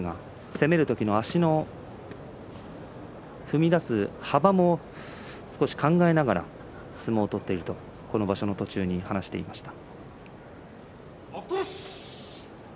攻める時の足の踏み出す幅も考えながら相撲を取っているとこの場所の途中に話をしていました。